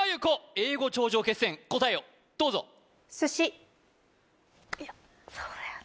英語頂上決戦答えをどうぞいやそうだよね